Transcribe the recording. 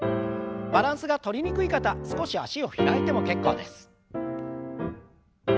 バランスがとりにくい方少し脚を開いても結構です。